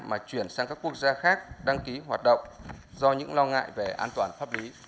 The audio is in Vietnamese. mà chuyển sang các quốc gia khác đăng ký hoạt động do những lo ngại về an toàn pháp lý